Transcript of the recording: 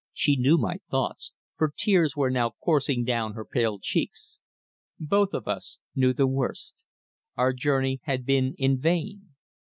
She knew my thoughts, for tears were now coursing down her pale cheeks. Both of us knew the worst. Our journey had been in vain.